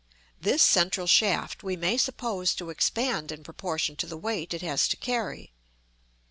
This central shaft we may suppose to expand in proportion to the weight it has to carry.